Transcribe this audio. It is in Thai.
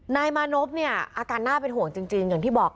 นายมานพเนี่ยอาการน่าเป็นห่วงจริงอย่างที่บอก